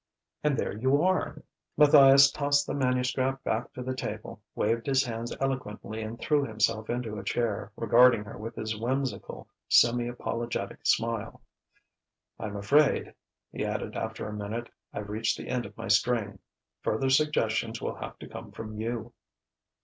"And there you are!" Matthias tossed the manuscript back to the table, waved his hands eloquently and threw himself into a chair, regarding her with his whimsical, semi apologetic smile. "I'm afraid," he added after a minute, "I've reached the end of my string. Further suggestions will have to come from you."